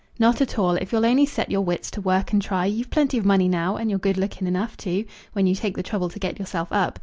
"Not at all, if you'll only set your wits to work and try. You've plenty of money now, and you're good looking enough, too, when you take the trouble to get yourself up.